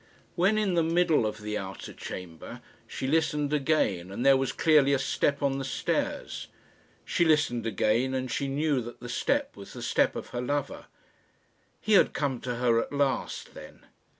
When in the middle of the outer chamber she listened again, and there was clearly a step on the stairs. She listened again, and she knew that the step was the step of her lover. He had come to her at last, then.